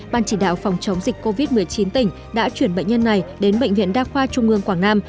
ban chỉ đạo phòng chống dịch covid một mươi chín tỉnh đã chuyển bệnh nhân này đến bệnh viện đa khoa trung ương quảng nam